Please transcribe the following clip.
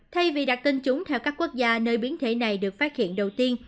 thay vì đặt tên chúng theo các quốc gia nơi biến thể này được phát hiện đầu tiên